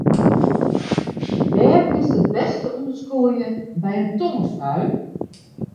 Wêr kinst it bêste ûnder skûlje by in tongerbui?